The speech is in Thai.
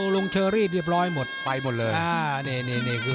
ลงเชอรี่เรียบร้อยหมดไปหมดเลย